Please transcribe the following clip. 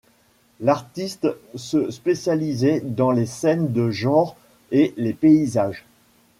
L'artiste se spécialisait dans les scènes de genre et les paysages.